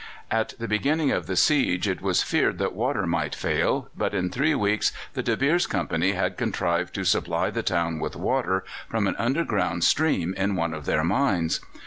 At the beginning of the siege it was feared that water might fail, but in three weeks the De Beers Company had contrived to supply the town with water from an underground stream in one of their mines.